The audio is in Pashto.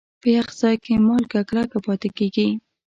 په یخ ځای کې مالګه کلکه پاتې کېږي.